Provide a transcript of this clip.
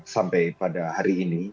sampai pada hari ini